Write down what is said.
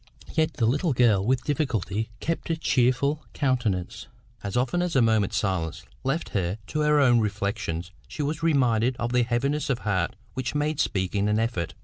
Yet the little girl with difficulty kept a cheerful countenance; as often as a moment's silence left her to her own reflections she was reminded of the heaviness of heart which made speaking an effort.